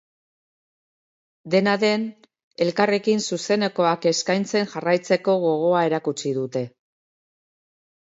Dena den, elkarrekin zuzenekoak eskaintzen jarraitzeko gogoa erakutsi dute.